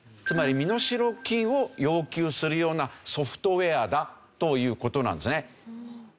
つまり身代金を要求するようなソフトウェアだという事なんですね。